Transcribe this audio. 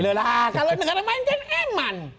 lho lah kalau negara main kan eman